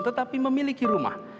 tetapi memiliki rumah